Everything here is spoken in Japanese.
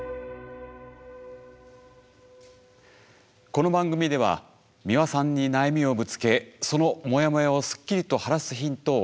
この番組では美輪さんに悩みをぶつけそのモヤモヤをすっきりと晴らすヒントを頂きます。